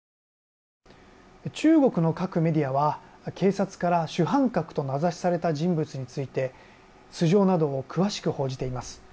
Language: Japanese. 中国の各メディアは警察から主犯格と名指しされた人物について素性などを詳しく報じています。